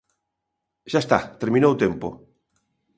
Xa está, terminou o tempo.